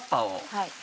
はい。